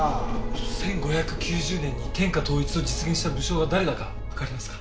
１５９０年に天下統一を実現した武将が誰だかわかりますか？